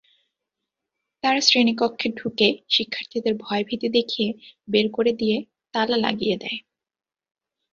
তারা শ্রেণীকক্ষে ঢুকে শিক্ষার্থীদের ভয়-ভীতি দেখিয়ে বের করে দিয়ে তালা লাগিয়ে দেয়।